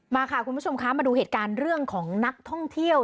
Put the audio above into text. มาค่ะคุณผู้ชมคะมาดูเหตุการณ์เรื่องของนักท่องเที่ยว